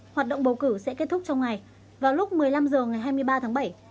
hoạt động bầu cử sẽ kết thúc trong ngày vào lúc một mươi năm h ngày hai mươi ba tháng bảy